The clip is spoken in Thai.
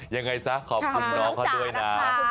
ยังไงซะขอบคุณน้องเขาด้วยนะ